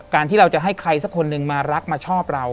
ที่เราจะให้ใครสักคนหนึ่งมารักมาชอบเรา